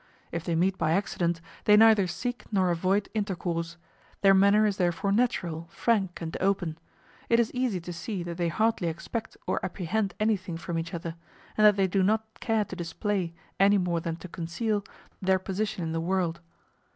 If they meet by accident, they neither seek nor avoid intercourse; their manner is therefore natural, frank, and open: it is easy to see that they hardly expect or apprehend anything from each other, and that they do not care to display, any more than to conceal, their position in the world.